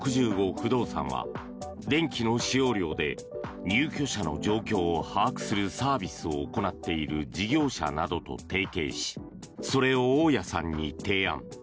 不動産は電気の使用量で入居者の状況を把握するサービスを行っている事業者などと提携しそれを大家さんに提案。